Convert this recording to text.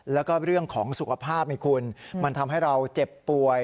แล้วก็เรื่องของสุขภาพให้คุณมันทำให้เราเจ็บป่วย